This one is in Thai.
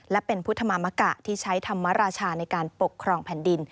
และเป็นพุทธมามกะที่ใช้ธรรมราชาในการปกครองแผ่นดิน